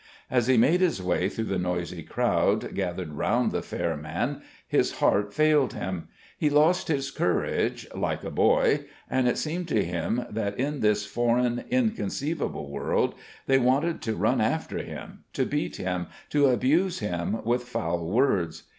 As he made his way through the noisy crowd, gathered round the fair man, his heart failed him, he lost his courage like a boy, and it seemed to him that in this foreign, inconceivable world, they wanted to run after him, to beat him, to abuse him with foul words.